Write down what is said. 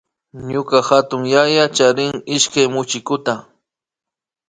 Ñuka hatunyaya charin ishkay muchiku